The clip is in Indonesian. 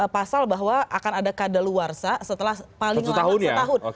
pasal bahwa akan ada kadaluarsa setelah paling lama setahun